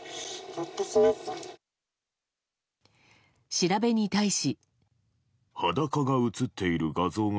調べに対し。